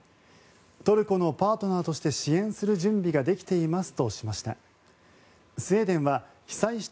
トルコのパートナーとして支援する準備ができているとしました。